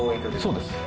そうです。